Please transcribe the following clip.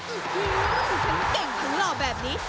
โอ้โหทั้งเก่งทั้งหล่อแบบนี้